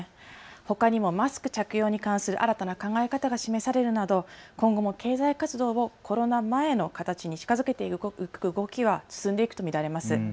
ほかにもマスク着用に関する新たな考え方が示されるなど今後も経済活動をコロナ前の形に近づけていく動きは進んでいくと見られます。